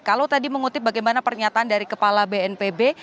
kalau tadi mengutip bagaimana pernyataan dari kepala bnpb